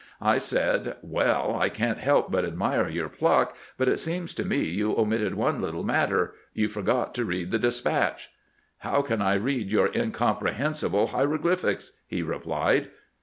I said: 'Well, I can't help but admire your pluck; but it seems to me you omitted one little matter: you forgot to read the de spatch.' ' How can I read your incomprehensible hier oglyphics?' he replied.